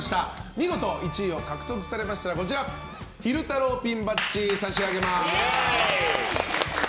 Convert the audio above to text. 見事１番を獲得されましたら昼太郎ピンバッジを差し上げます。